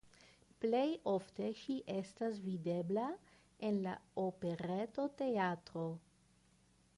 Plej ofte ŝi estas videbla en la Operetoteatro.